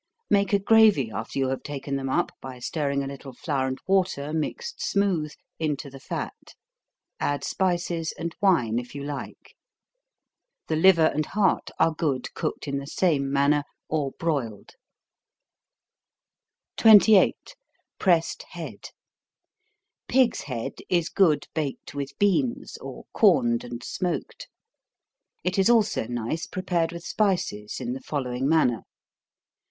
Make a gravy after you have taken them up, by stirring a little flour and water mixed smooth into the fat, add spices and wine if you like. The liver and heart are good cooked in the same manner, or broiled. 28. Pressed Head. Pig's head is good baked with beans, or corned and smoked. It is also nice prepared with spices in the following manner.